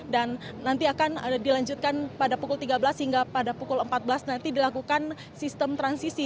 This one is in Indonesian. nanti akan dilanjutkan pada pukul tiga belas hingga pada pukul empat belas nanti dilakukan sistem transisi